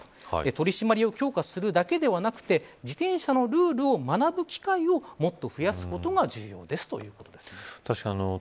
取り締まりを強化するだけではなくて自転車のルールを学ぶ機会をもっと増やすことが重要ですということです。